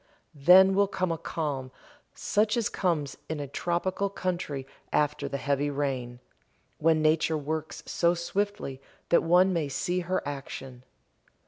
Then will come a calm such as comes in a tropical country after the heavy rain, when nature works so swiftly that one may see her action.